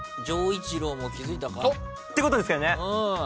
丈一郎も気付いたか？ってことですよね？